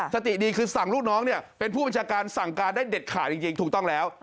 สติดีคือสั่งลูกน้องเนี่ยเป็นผู้บัญชาการสั่งการได้เด็ดขาดจริงถูกต้องแล้ว